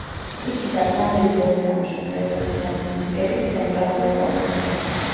იგი საკმაოდ დიდ როლს თამაშობდა, როგორც რომის იმპერიის ცენტრალური პროვინცია.